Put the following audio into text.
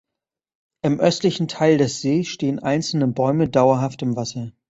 Im östlichen Teil des Sees stehen einzelne Bäume dauerhaft im Wasser.